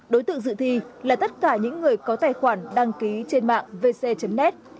đối tượng dự thi là tất cả những người có tài khoản đăng ký trên mạng vc net